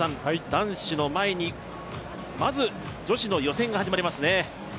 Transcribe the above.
男子の前にまず女子の予選が始まりますね。